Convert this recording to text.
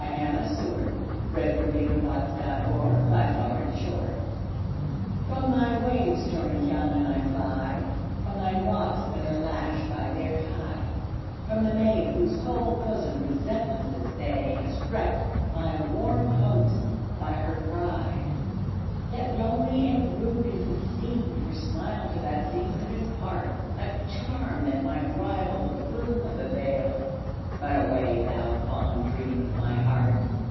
1876–79. Wales: Llannon Song By Anna Seward (1747–1809) FROM thy waves, stormy Llannon, I fly; From thy rocks, that are lashed by their tide; From the maid whose cold bosom, relentless as they, Has wrecked my warm hopes by her pride! Yet lonely and rude as the scene, Her smile to that scene could impartA charm that might rival the bloom of the vale,—But away, thou fond dream of my heart!